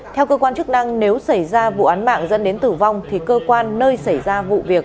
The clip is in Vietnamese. theo cơ quan chức năng nếu xảy ra vụ án mạng dẫn đến tử vong thì cơ quan nơi xảy ra vụ việc